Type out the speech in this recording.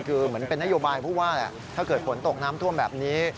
คือเหมือนเป็นนโยบายผู้ว่าแหละถ้าเกิดฝนตกน้ำท่วมแบบนี้